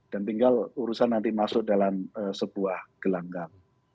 dan tinggal urusan nanti masuk dalam sebuah gelanggang